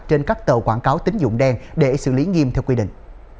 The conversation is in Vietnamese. trên các tờ quảng cáo tính dụng đen để xử lý nghiêm theo quy định